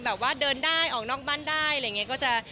แบบว่าเดินได้ออกนอกบ้านได้อะไรอย่างนี้ก็จะ